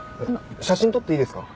写真撮っていいですか？